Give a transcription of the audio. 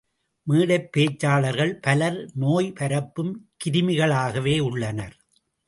மேடைப் பேச்சாளர்கள் பலர் நோய் பரப்பும் கிருமிகளாகவே உள்ளனர்.